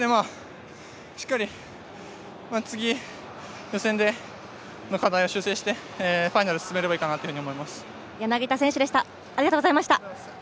しっかり次、予選での課題を修正してファイナルに進めればいいかなと思います。